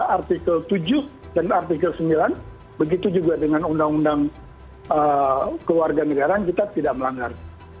artikel tujuh dan artikel sembilan begitu juga dengan undang undang keluarga negara kita tidak melanggar